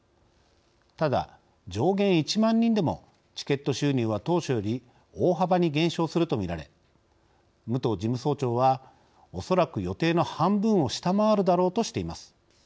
ただ、上限１万人でもチケット収入は当初より大幅に減少すると見られ武藤事務総長はおそらく予定の半分を下回るだろうとしています。